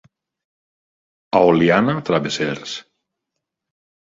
A Oliana, travessers.